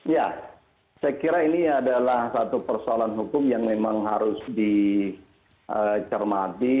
ya saya kira ini adalah satu persoalan hukum yang memang harus dicermati